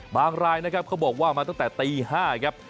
รายนะครับเขาบอกว่ามาตั้งแต่ตี๕ครับ